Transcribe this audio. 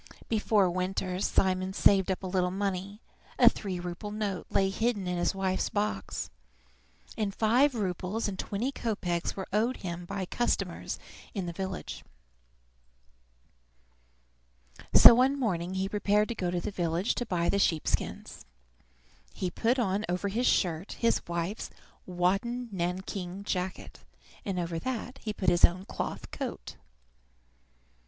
Before winter Simon saved up a little money: a three rouble note lay hidden in his wife's box, and five roubles and twenty kopeks were owed him by customers in the village. So one morning he prepared to go to the village to buy the sheep skins. He put on over his shirt his wife's wadded nankeen jacket, and over that he put his own cloth coat.